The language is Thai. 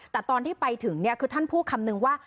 แต่ตอนที่ไปถึงคือท่านพูดคำนึงว่า